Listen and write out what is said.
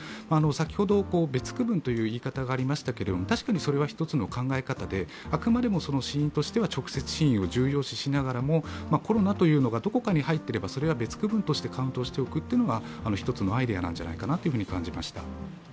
先ほど別区分という言い方がありましたけれども、確かにそれは１つの考え方で、あくまでも死因としては直接死因を重要視しながらも、コロナというのがどこかに入っていれば、それは別区分としてカウントしておくのは１つのアイデアなんじゃないかなと感じました。